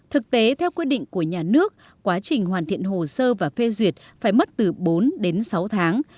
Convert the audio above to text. thực tế theo quyết định của nhà nước quá trình hoàn thiện hồ sơ và phê duyệt phải mất từ bốn đến sáu tháng